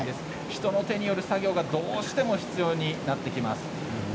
人の手による作業がどうしても必要になってきます。